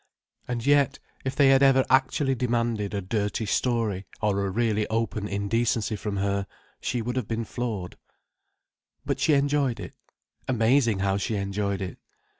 And yet, if they had ever actually demanded a dirty story or a really open indecency from her, she would have been floored. But she enjoyed it. Amazing how she enjoyed it.